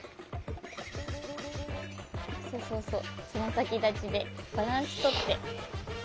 そうそうそうつまさきだちでバランスとって。